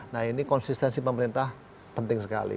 nah ini konsistensi pemerintah penting sekali